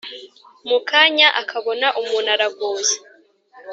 mu kanya akabona umuntu araguye,